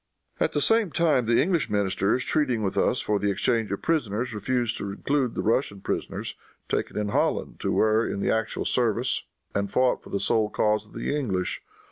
"At the same time the English ministers, treating with us for the exchange of prisoners, refused to include the Russian prisoners taken in Holland, who were in the actual service and fought for the sole cause of the English.